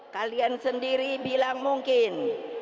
kalian sendiri bilang mungkin